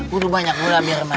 perlu banyak gula biar remah